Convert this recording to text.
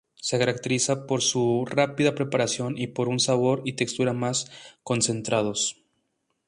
Se caracteriza por su rápida preparación y por un sabor y textura más concentrados.